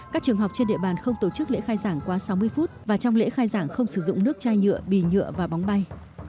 các trường học trên địa bàn không tổ chức lễ khai giảng quá sáu mươi phút và trong lễ khai giảng không sử dụng nước chai nhựa bì nhựa và bóng bay